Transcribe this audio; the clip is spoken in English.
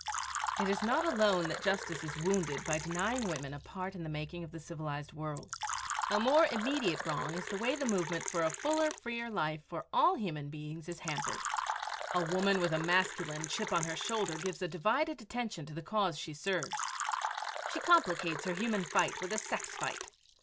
It is not alone that justice is wounded by denying women a part in the making of the civilized world a more immediate wrong is the way the movement for a fuller, freer life for all human beings is hampered. A woman with a masculine chip on her shoulder gives a divided attention to the cause she serves. She complicates her human fight with a sex fight.